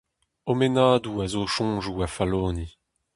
O mennadoù a zo soñjoù a falloni.